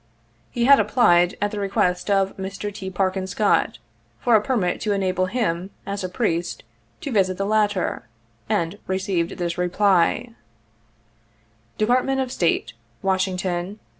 He had applied, at the request of Mr. T. Parkin Scott, for a permit to enable him, as a priest, to visit the latter, and received this reply : "Department of State, " Washington, Nov.